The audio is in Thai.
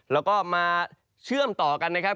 แล้วก็มาเชื่อมต่อกันนะครับ